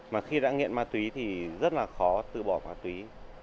mà khi đã nghiện ma túy thì rất là khó từ bỏ ma túy